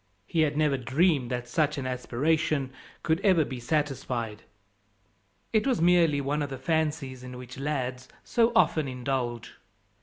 He had never dreamed that such an aspiration could ever be satisfied it was merely one of the fancies in which lads so often indulge.